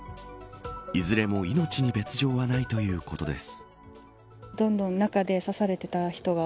いずれも命に別条はないということです。